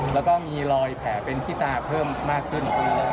แล้วก็มีรอยแผลเป็นที่ตาเพิ่มมากขึ้น